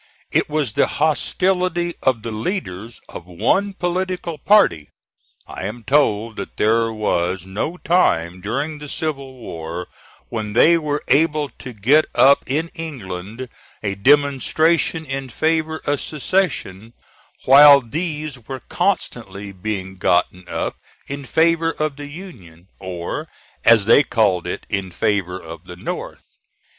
It was the hostility of the leaders of one political party. I am told that there was no time during the civil war when they were able to get up in England a demonstration in favor of secession, while these were constantly being gotten up in favor of the Union, or, as they called it, in favor of the North.